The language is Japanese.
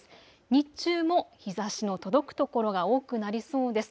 日中も日ざしの届く所が多くなりそうです。